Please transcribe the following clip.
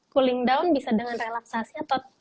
cooling down bisa dengan relaksasi atau